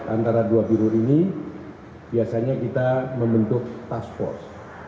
antara dua biro ini biasanya kita membentuk task force